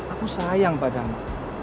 aku sayang padamu